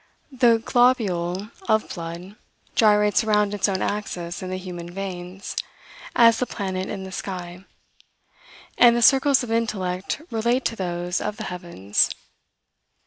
The globule of blood gyrates around its own axis in the human veins, as the planet in the sky; and the circles of intellect relate to those of the heavens.